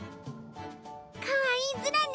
かわいいズラね。